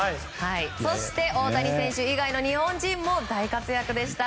そして、大谷選手以外の日本人も大活躍でした。